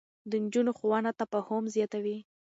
د نجونو ښوونه تفاهم زياتوي.